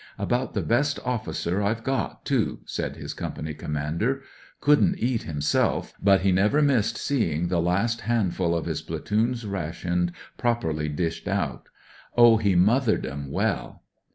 * About the best officer Tve got, too,' said his Company Commander. * Couldn't eat, himself; but he never missed seeing the last handful of his platoon's rations properly dished out. Oh, he mothered 'em well.'